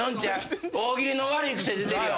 大喜利の悪い癖出てるよ。